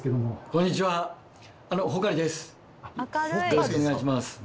よろしくお願いします。